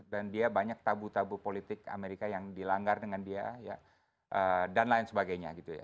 dan dia banyak tabu tabu politik amerika yang dilanggar dengan dia ya dan lain sebagainya gitu ya